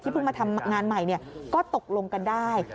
เพิ่งมาทำงานใหม่ก็ตกลงกันได้